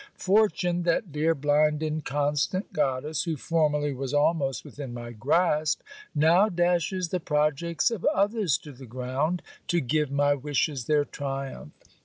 Fortune, that dear blind inconstant goddess, who formerly was almost within my grasp, now dashes the projects of others to the ground, to give my wishes their triumph.